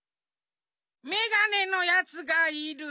メガネのやつがいる。